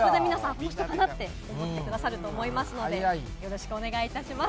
この人かなって思ってくださると思いますので、よろしくお願いいたします。